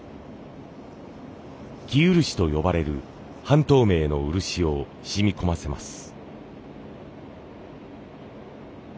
生漆と呼ばれる半透明の漆を染み込ませます。